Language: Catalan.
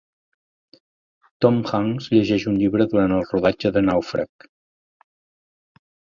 Tom Hanks llegeix un llibre durant el rodatge de Nàufrag.